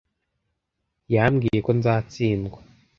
Yambwiye ko nzatsindwa.